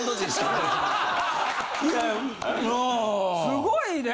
すごいね。